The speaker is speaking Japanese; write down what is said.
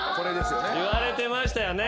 言われてましたよね。